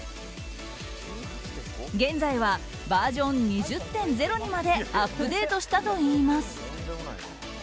現在はバージョン２０．０にまでアップデートしたといいます。